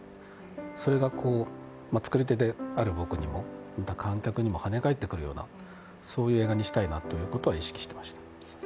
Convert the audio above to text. それが作り手である僕にも見た観客にも跳ね返ってくるようなそういう映画にしたいということは意識していました。